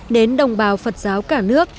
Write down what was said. đến đồng bào phật giáo cả nước